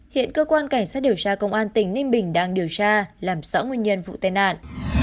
hiện cơ quan cảnh sát điều tra công an tỉnh ninh bình đang điều tra làm rõ nguyên nhân vụ tai nạn